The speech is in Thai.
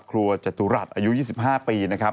ครัวจตุรัสอายุ๒๕ปีนะครับ